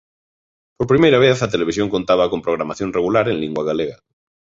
Por primeira vez a televisión contaba con programación regular en lingua galega.